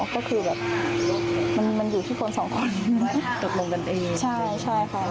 ก็คือแบบมันมันอยู่ที่คนสองคนตกลงกันเองใช่ใช่ค่ะ